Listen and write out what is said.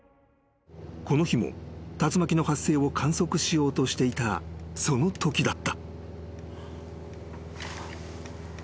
［この日も竜巻の発生を観測しようとしていたそのときだった］